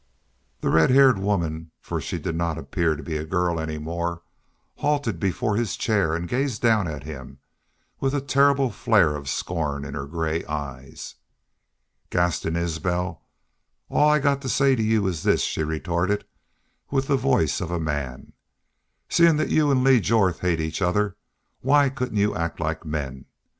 The red haired woman for she did not appear to be a girl any more halted before his chair and gazed down at him, with a terrible flare of scorn in her gray eyes. "Gaston Isbel, all I've got to say to you is this," she retorted, with the voice of a man. "Seein' that you an' Lee Jorth hate each other, why couldn't you act like men?